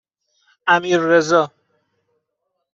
امیررضا